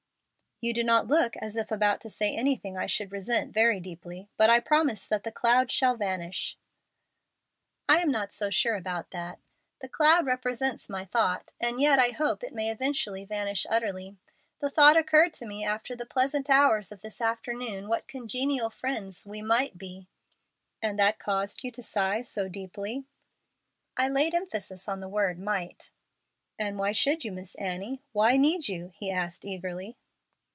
"You do not look as if about to say anything I should resent very deeply. But I promise that the cloud shall vanish." "I am not so sure about that. The cloud represents my thought; and yet I hope it may eventually vanish utterly. The thought occurred to me after the pleasant hours of this afternoon what congenial friends we might be." "And that caused you to sigh so deeply?" "I laid emphasis on the word might." "And why should you, Miss Annie? Why need you?" he asked, eagerly.